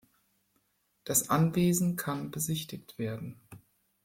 Das Anwesen kann besichtigt werden.